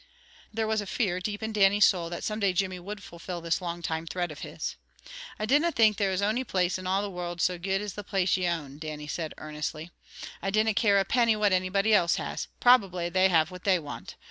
There was a fear deep in Dannie's soul that some day Jimmy would fulfill this long time threat of his. "I dinna think there is ony place in all the world so guid as the place ye own," Dannie said earnestly. "I dinna care a penny what anybody else has, probably they have what they want.